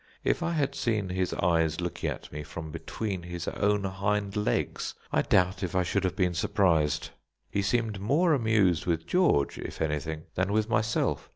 If I had seen his eyes looking at me from between his own hind legs, I doubt if I should have been surprised. He seemed more amused with George if anything, than with myself.